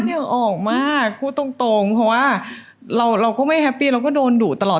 เหนียวออกมากพูดตรงเพราะว่าเราก็ไม่แฮปปี้เราก็โดนดุตลอด